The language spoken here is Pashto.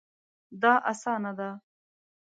دا اسانه ده